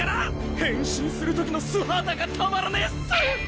変身する時の素肌がたまらねえっす！